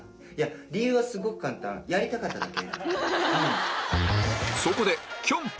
理由はすごく簡単やりたかっただけ。